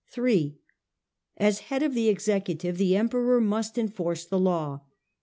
3. As the head of the executive the Emperor must enforce the law.